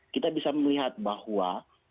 kita bisa melihat bahwa